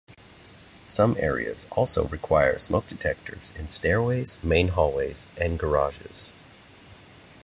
Some areas also require smoke detectors in stairways, main hallways and garages.